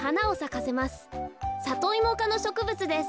サトイモかのしょくぶつです」。